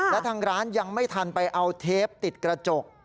และทางร้านยังไม่ทันไปเอาเทปติดกระจก